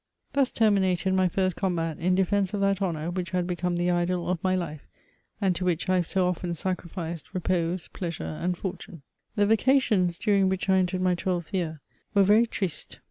Thus terminated my first combat in defence of that honour which had become the idol of my life, and to which I have so often sacrificed repose, pleasure, and fortune. The vacations, during which I entered my twelfth year, were very triste.